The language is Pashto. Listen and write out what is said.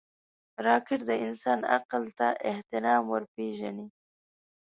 راکټ د انسان عقل ته احترام ورپېژني